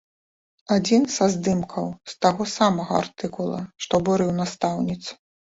Адзін са здымкаў з таго самага артыкула, што абурыў настаўніц.